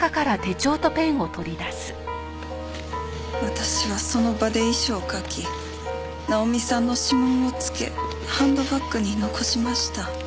私はその場で遺書を書きナオミさんの指紋をつけハンドバッグに残しました。